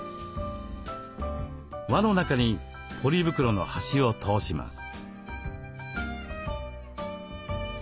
輪の中にポリ袋の端を通します。